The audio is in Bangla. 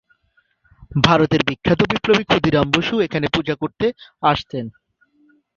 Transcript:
ভারতের বিখ্যাত বিপ্লবী ক্ষুদিরাম বসু এখানে পূজা করতে আসতেন।